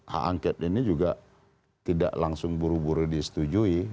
hak angket ini juga tidak langsung buru buru disetujui